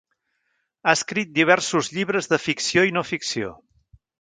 Ha escrit diversos llibres de ficció i no-ficció.